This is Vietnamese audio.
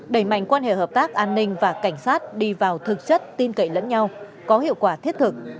đẩy mạnh quan hệ hợp tác an ninh và cảnh sát đi vào thực chất tin cậy lẫn nhau có hiệu quả thiết thực